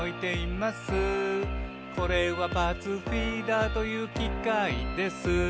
「これはパーツフィーダーというきかいです」